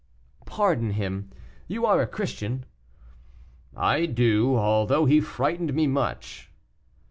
"Pardon him, you are a Christian." "I do, although he frightened me much."